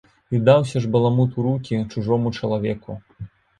І даўся ж баламут у рукі чужому чалавеку!